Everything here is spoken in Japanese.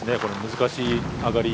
難しい上がり。